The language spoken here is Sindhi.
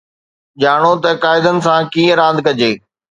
ڄاڻو ته قاعدن سان ڪيئن راند ڪجي